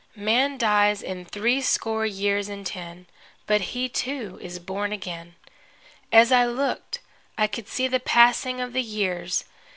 Man dies in three score years and ten; but he, too, is born again. As I looked, I could see the passing of the years.